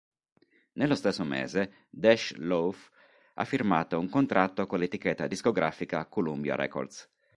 Nello stesso mese Dej Loaf ha firmato un contratto con l'etichetta discografica Columbia Records.